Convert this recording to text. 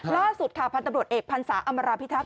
ล่าสุดค่ะพันธบริโรทเอกพันศาอำราพิทักษ์